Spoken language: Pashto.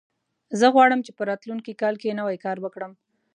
زه غواړم چې په راتلونکي کال کې نوی کار وکړم